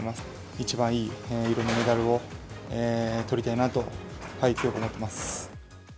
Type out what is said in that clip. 一番いい色のメダルをとりたいなと強く思っています。